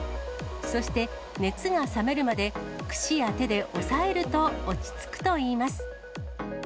そして熱が冷めるまで、くしや手で押さえると、落ち着くといいます。